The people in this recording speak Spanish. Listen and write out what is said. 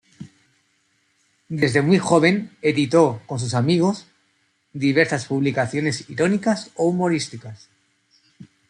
Desde muy joven editó, con sus amigos, diversas publicaciones irónicas o humorísticas.